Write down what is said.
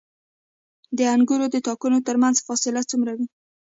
د انګورو د تاکونو ترمنځ فاصله څومره وي؟